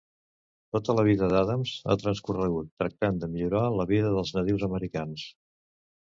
Tota la vida d'Adams ha transcorregut tractant de millorar la vida dels nadius americans.